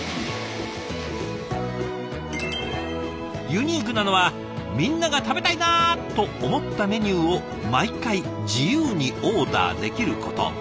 ユニークなのはみんなが食べたいなと思ったメニューを毎回自由にオーダーできること。